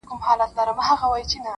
o له کماله یې خواږه انګور ترخه کړه,